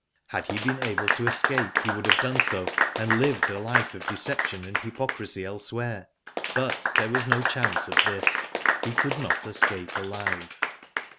Had he been able to escape he would have done so, and lived a life of deception and hypocrisy elsewhere. But there was no chance of this. He could not escape alive.